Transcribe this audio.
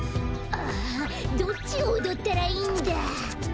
ああどっちをおどったらいいんだ？